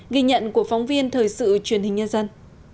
ghi nhận của phóng viên thời sự truyền hình nhân dân